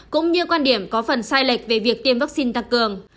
cũng như quan điểm có phần sai lệch về việc tiêm vaccine tăng cường